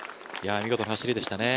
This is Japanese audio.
見事な走りでしたね。